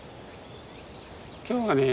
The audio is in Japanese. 今日はね